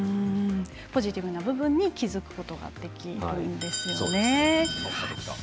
ポジティブな部分に気付くことができるんですよね。